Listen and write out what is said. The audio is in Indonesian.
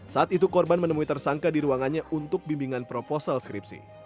saat itu korban menemui tersangka di ruangannya untuk bimbingan proposal skripsi